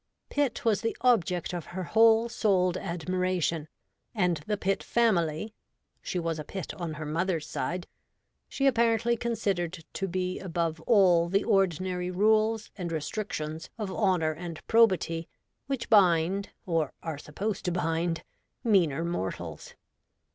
Pitt was the object of her whole souled admiration, and the Pitt family — she was a Pitt on her mother's side — she apparently considered to be above all the ordinary rules and restrictions of honour and probity which bind, or are supposed to bind, meaner mortals.